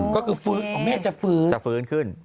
ก็คือเมฆจะฟื้น